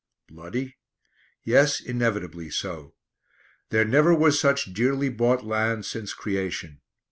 Bloody? Yes, inevitably so. There never was such dearly bought land since creation.